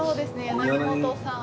柳本さんは。